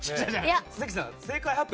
関さん正解発表